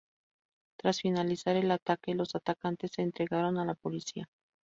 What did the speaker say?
Tras finalizar el ataque, los atacantes se entregaron a la policía.